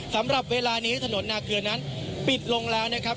สำหรับเวลานี้ถนนนาเกลือนั้นปิดลงแล้วนะครับ